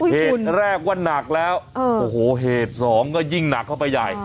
เหตุแรกว่านักแล้วโอ้โหเหตุสองก็ยิ่งหนักเข้าไปใหญ่